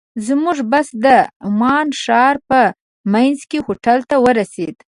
زموږ بس د عمان ښار په منځ کې هوټل ته ورسېد.